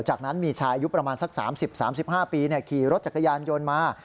จากนั้นมีชายอายุประมาณสัก๓๐๓๕ปีขี่รถจักรยานยนต์มา